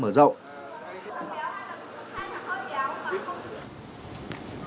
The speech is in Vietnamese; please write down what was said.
mở rộng điều tra